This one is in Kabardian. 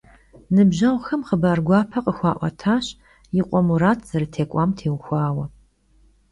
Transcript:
Nıbjeğuxem xhıbar guape khıxua'uetaş yi khue Murat zerıtêk'uam têuxuaue.